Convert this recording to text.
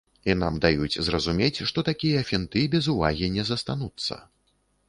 І нам даюць зразумець, што такія фінты без увагі не застануцца.